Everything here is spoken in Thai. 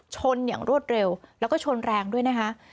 ชนอย่างรวดเร็วแล้วก็ชนแรงด้วยนะคะ